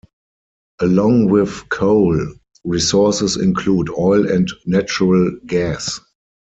Along with coal, resources include oil and natural gas.